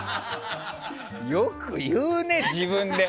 よく言うね、自分で。